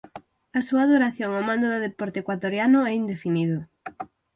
A súa duración ao mando do deporte ecuatoriano é indefinido.